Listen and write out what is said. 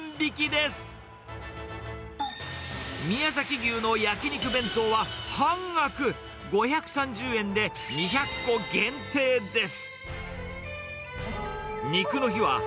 牛の焼き肉弁当は半額、５３０円で２００個限定です。